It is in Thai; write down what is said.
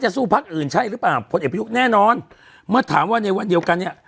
สู้พักอื่นใช่หรือเปล่าพลเอกประยุทธ์แน่นอนเมื่อถามว่าในวันเดียวกันเนี้ย